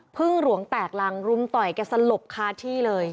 หลวงแตกรังรุมต่อยแกสลบคาที่เลย